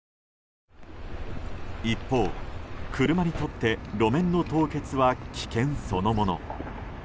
一方、車にとって路面の凍結は危険そのもの。